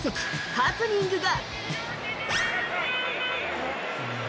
ハプニングが。